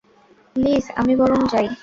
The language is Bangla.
লিজ, আমি বরং যাই।